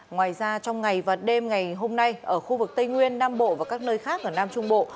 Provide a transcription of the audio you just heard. ngoài ra trong ngày và đêm ngày hôm nay ở khu vực tây nguyên nam bộ và các nơi khác ở nam trung bộ